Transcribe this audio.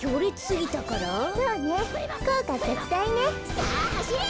さあはしれ！